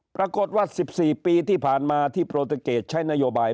ปรากฏว่า๑๔ปีที่ผ่านมาที่โปรตูเกตใช้นโยบาย